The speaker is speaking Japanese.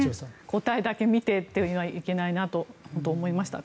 答えだけ見てというのはいけないなと思いました。